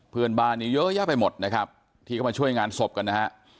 เพื่อนบ้านเยอะแยะไปหมดที่เข้ามาช่วยงานศพกัน